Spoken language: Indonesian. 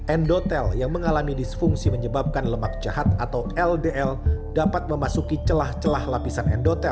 endotel yang mengalami disfungsi menyebabkan lemak jahat atau ldl dapat memasuki celah celah lapisan endotel